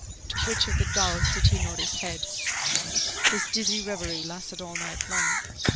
To which of the gulfs did he nod his head? His dizzy reverie lasted all night long.